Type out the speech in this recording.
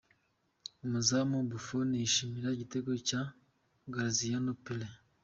Umuzamu Buffon yishimira igitego cya Graziano Pelle.